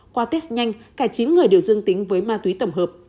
qua test nhanh cả chín người đều dương tính với ma túy tổng hợp